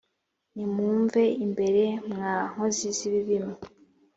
nimumve imbere mwa nkozi z’ibibi mwe